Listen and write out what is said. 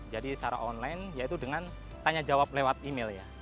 jadi secara online yaitu dengan tanya jawab lewat email ya